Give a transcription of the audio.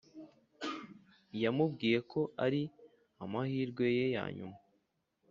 yamubwiye ko ari amahirwe ye yanyuma